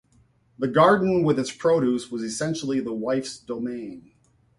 The garden with its produce was essentially the wife's domain.